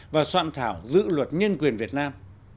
và soạn thảo giữ luật nhân quyền việt nam